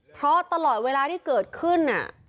เพราะตลอดเวลาที่เกิดขึ้น